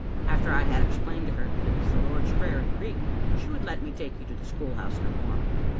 After I had explained to her that it was the Lord's Prayer in Greek, she would let me take you to the school house no more.